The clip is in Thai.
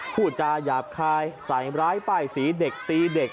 พูดจาหยาบคายใส่ร้ายป้ายสีเด็กตีเด็ก